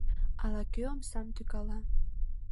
Ала-кӧ омсам тӱкала.